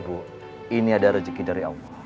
ibu ini adalah rezeki dari allah